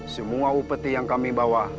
semua upeti yang kami bawa